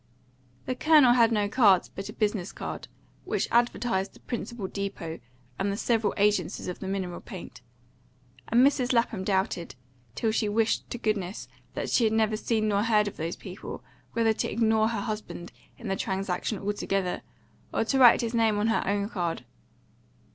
The Colonel had no card but a business card, which advertised the principal depot and the several agencies of the mineral paint; and Mrs. Lapham doubted, till she wished to goodness that she had never seen nor heard of those people, whether to ignore her husband in the transaction altogether, or to write his name on her own card.